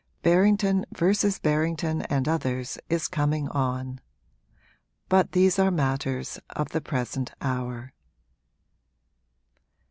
'Berrington versus Berrington and Others' is coming on but these are matters of the present hour.